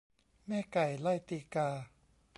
แม่ไก่ไล่ตีกา